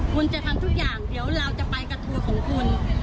คุณจะทำทุกอย่างเดี๋ยวเราจะไปกระทูของคุณ